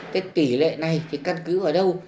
thế tỷ lệ này thì căn cứ ở đâu